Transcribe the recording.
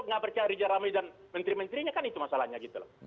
nggak percaya rijal ramli dan menteri menterinya kan itu masalahnya gitu loh